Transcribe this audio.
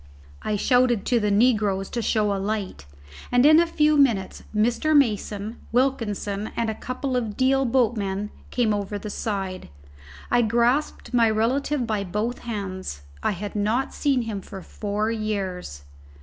I shouted to the negroes to show a light, and in a few minutes Mr. Mason, Wilkinson, and a couple of Deal boatmen came over the side. I grasped my relative by both hands. I had not seen him for four years.